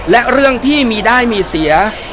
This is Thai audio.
และเรื่องที่มีได้มีเสีย